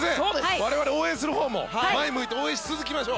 我々応援するほうも前を向いて応援していきましょう。